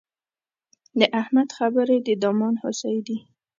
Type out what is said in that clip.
د احمد خبرې د دامان هوسۍ دي.